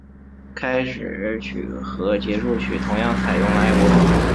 开始曲和结束曲同样采用了爱国歌。